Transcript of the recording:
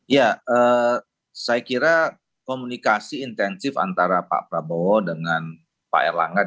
ya saya kira komunikasi intensif antara pak prabowo dengan pak erlangga